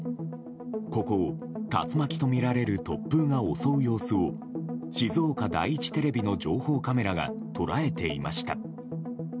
ここを竜巻とみられる突風が襲う様子を静岡第一テレビの情報カメラが捉えていました。